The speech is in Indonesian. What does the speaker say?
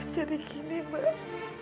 jadi begini mbak